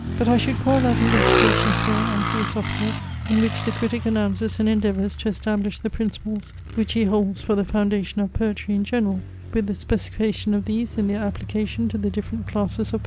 But I should call that investigation fair and philosophical in which the critic announces and endeavours to establish the principles, which he holds for the foundation of poetry in general, with the specification of these in their application to the different classes of poetry.